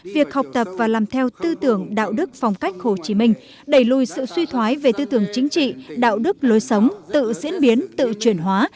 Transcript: việc học tập và làm theo tư tưởng đạo đức phong cách hồ chí minh đẩy lùi sự suy thoái về tư tưởng chính trị đạo đức lối sống tự diễn biến tự chuyển hóa